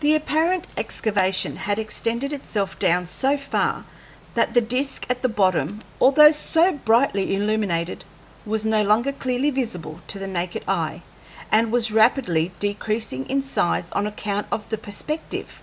The apparent excavation had extended itself down so far that the disk at the bottom, although so brightly illuminated, was no longer clearly visible to the naked eye, and was rapidly decreasing in size on account of the perspective.